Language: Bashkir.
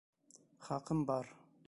— Хаҡым бар...